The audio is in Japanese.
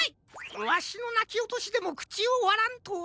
わしのなきおとしでもくちをわらんとは。